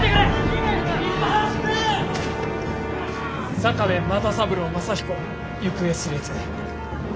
坂部又三郎正彦行方知れず。